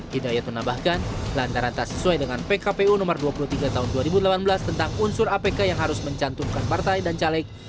hidayat menambahkan lantaran tak sesuai dengan pkpu nomor dua puluh tiga tahun dua ribu delapan belas tentang unsur apk yang harus mencantumkan partai dan caleg